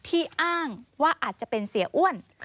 อ้างว่าอาจจะเป็นเสียอ้วน